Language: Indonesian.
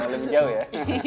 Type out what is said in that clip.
lebih jauh ya